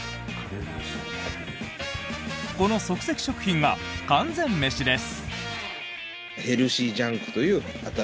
この即席食品は完全メシです。